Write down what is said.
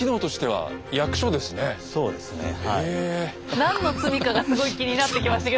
何の罪かがすごい気になってきましたけど。